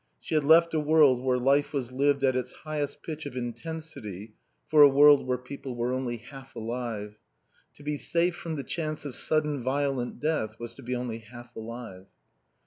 She had left a world where life was lived at its highest pitch of intensity for a world where people were only half alive. To be safe from the chance of sudden violent death was to be only half alive.